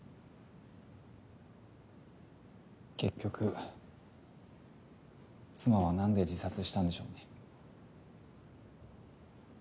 結局妻はなんで自殺したんでしょうね。